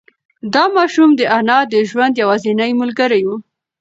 دا ماشوم د انا د ژوند یوازینۍ ملګری و.